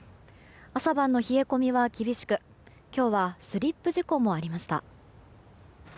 朝晩の冷え込みは厳しく今日はスリップ事故もありました。